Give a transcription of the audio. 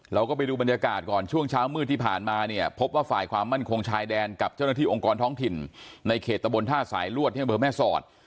เราก็ไปดูบรรยากาศก่อนช่วงเช้ามืดที่ผ่านมาเนี่ยพบว่าฝ่ายความมั่นคงชายแดนกับเจ้าหน้าที่องค์กรท้องถิ่นในเขตตะบนท่าสายลวดที่อำเภอแม่สอด